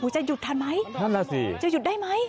จะหยุดได้มั้ย